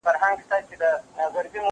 زه امادګي نه نيسم!!